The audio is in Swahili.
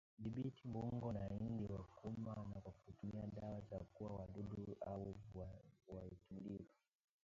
Dhibiti mbungo na nzi wa kuuma kwa kutumia dawa za kuua wadudu au viuatilifu